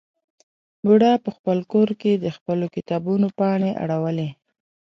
بوډا په خپل کور کې د خپلو کتابونو پاڼې اړولې.